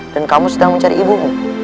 dan kamu sedang mencari ibumu